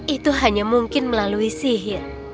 itu hanya mungkin melalui sihir